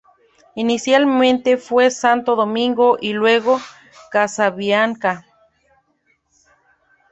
Inicialmente fue Santo Domingo y luego Casabianca.